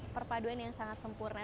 perpaduan yang sangat sempurna